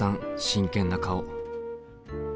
真剣な顔。